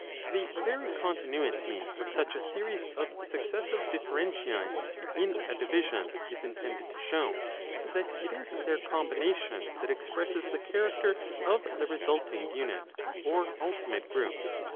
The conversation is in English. The very continuity of such a series of succes sive differentiae in a division is intended to show that it is their combination that expresses the character of the resulting unit, or ultimate group.